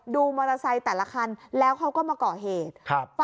ดูมอเตอร์ไซค์แต่ละคันแล้วเขาก็มาก่อเหตุ